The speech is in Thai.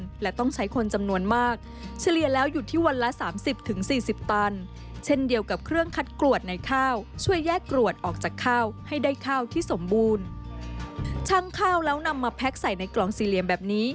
ข้าวแล้วนำมาแพ็คใส่ในกล่องสี่เหลี่ยมแบบนี้